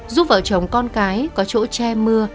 giúp vợ chồng con cái có chỗ che mưa